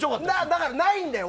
だからないんだよ！